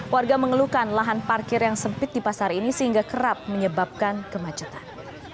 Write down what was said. warga mengeluhkan lahan parkir yang sempit di pasar ini sehingga kerap menyebabkan kemacetan